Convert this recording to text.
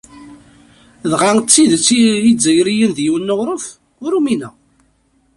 Dɣa d tidet, Izzayriyen d yiwen n uɣref? Ur umineɣ.